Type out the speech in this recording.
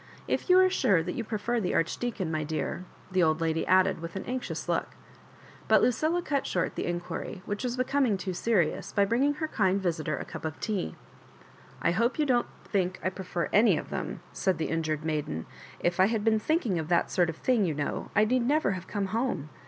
If you are sure that you prefer the Archdeacon, my dear—" the old lady added, with an anxious loc^ But Lucilla cut short the inquiry, which was becoming too serious, by bringing her kmd visitor a cup of tea. " I hope you don't think I prefer any of them," said the injured maiden. " If I had been think ing of that sort of thing, you know, I need never have come home.